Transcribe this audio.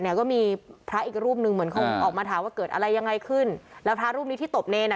ก็มีพระอีกรูปหนึ่งเหมือนคงออกมาถามว่าเกิดอะไรยังไงขึ้นแล้วพระรูปนี้ที่ตบเนรอ่ะ